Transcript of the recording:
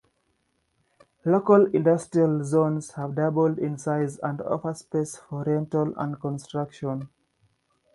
Local industrial zones have doubled in size and offer space for rental and construction.